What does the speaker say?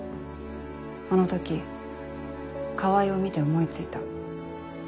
あの時川合を見て思い付いた。